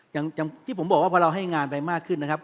อย่างที่ผมบอกว่าพอเราให้งานไปมากขึ้นนะครับ